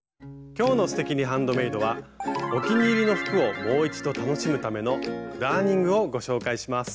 今日の「すてきにハンドメイド」はお気に入りの服をもう一度楽しむための「ダーニング」をご紹介します。